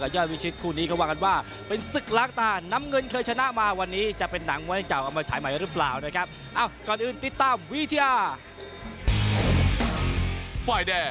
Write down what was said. ยอดวิชิตเข้มมวยไทย